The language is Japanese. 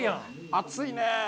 熱いね。